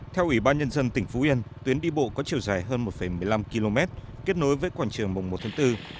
theo ủy ban nhân dân tỉnh phú yên tuyến đi bộ có chiều dài hơn một một mươi năm km kết nối với quảng trường mùng một tháng bốn